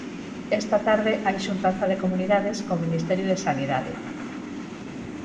Esta tarde hai xuntanza de comunidades co Ministerio de Sanidade.